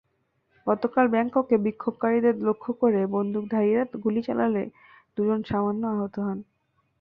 গতকাল ব্যাংককে বিক্ষোভকারীদের লক্ষ্য করে বন্দুকধারীরা গুলি চালালে দুজন সামান্য আহত হন।